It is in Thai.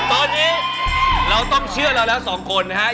ตอนนี้เราต้องเชื่อเราแล้วสองคนนะครับ